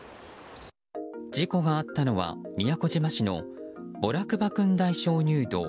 事故があったのは、宮古島市の保良クバクンダイ鍾乳洞。